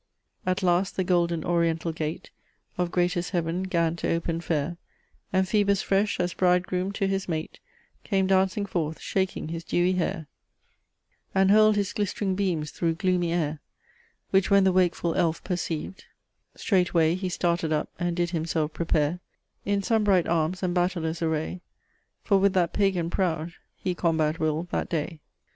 "At last the golden orientall gate Of greatest heaven gan to open fayre, And Phoebus fresh, as brydegrome to his mate, Came dauncing forth, shaking his deawie hayre, And hurl'd his glist'ring beams through gloomy ayre: Which when the wakeful elfe perceived, streightway He started up, and did him selfe prepayre In sun bright armes and battailous array; For with that pagan proud he combat will that day."